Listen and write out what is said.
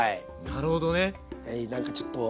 なるほどね。